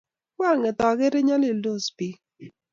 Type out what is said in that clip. Kwaang'et akere konyalildos piik